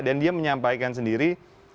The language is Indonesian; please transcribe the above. dan dia menyampaikan sendiri